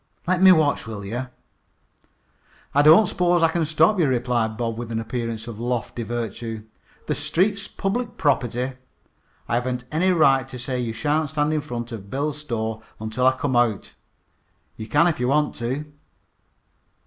Let me watch, will yer?" "I don't s'pose I can stop you," replied Bob, with an appearance of lofty virtue. "The street's public property. I haven't any right to say you shan't stand in front of Bill's store until I come out. You can if you want to."